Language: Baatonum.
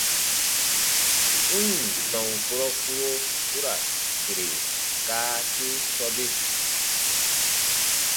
N ǹ tɔn kurɔ kpuro u ra sire kaa te sɔbe.